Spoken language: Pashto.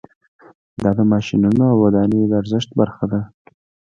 دا د ماشینونو او ودانیو د ارزښت برخه ده